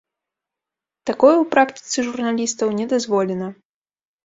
Такое ў практыцы журналістаў не дазволена.